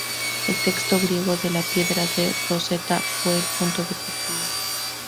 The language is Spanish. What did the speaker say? El texto griego de la Piedra de Rosetta fue el punto de partida.